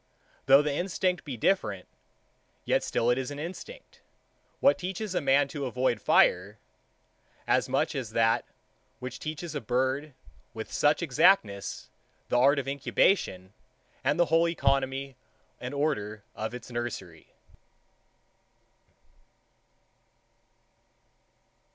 Though the instinct be different, yet still it is an instinct, which teaches a man to avoid the fire; as much as that, which teaches a bird, with such exactness, the art of incubation, and the whole economy and order of its nursery.